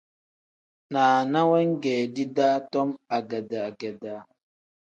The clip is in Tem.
Naana weegedi daa tom agedaa-gedaa.